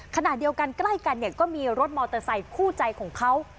ขณะเดียวกันใกล้กันเนี่ยก็มีรถมอเตอร์ไซคู่ใจของเขา